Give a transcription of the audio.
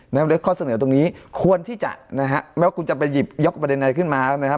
หรือข้อเสนอตรงนี้ควรที่จะไม่ว่าคุณจะไปหยิบยกประเด็นอะไรขึ้นมา